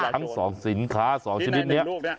ทั้ง๒สินค้า๒ชนิดนี้